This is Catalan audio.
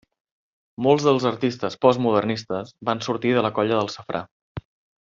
Molts dels artistes postmodernistes van sortir de la colla del Safrà.